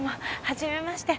初めまして。